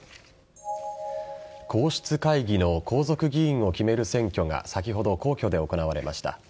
皇室会議への皇族議員を決める選挙が先ほど、皇居で行われました。